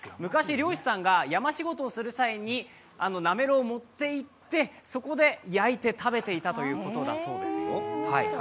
昔、漁師さんが山仕事をする際になめろうを持っていって、そこで焼いて食べていたそうですよ。